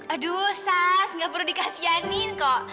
aduh sask gak perlu dikasihanin kok